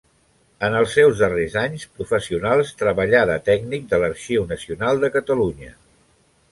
En els seus darrers anys professionals treballà de tècnic de l'Arxiu Nacional de Catalunya.